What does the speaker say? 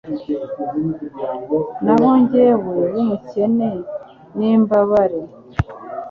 Naho jyewe w’umukene n’imbabare